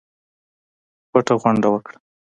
پټه غونډه وکړه.